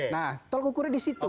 nah tol ukurnya di situ